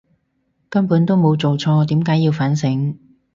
根本都冇做錯，點解要反省！